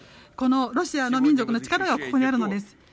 ロシアの民族の力がここにあるのです。